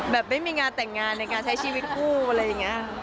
แบบไม่มีงานแต่งงานในการใช้ชีวิตคู่อะไรอย่างนี้